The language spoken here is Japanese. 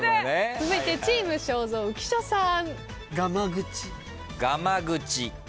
続いてチーム正蔵浮所さん。